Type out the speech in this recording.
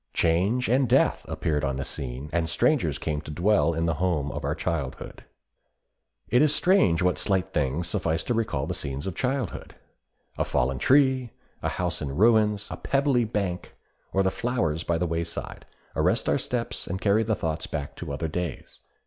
Change and death appeared on the scene, and strangers came to dwell in the home of our childhood. It is strange what slight things suffice to recall the scenes of childhood. A fallen tree, a house in ruins, a pebbly bank, or the flowers by the wayside, arrest our steps, and carry the thoughts back to other days.